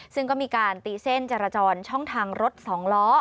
ซึ่งก็มีการตีเส้นจรจรช่องทางรถสองล้อ